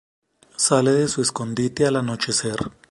Sale de su escondite al anochecer.